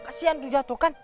kasian tuh jatuhkan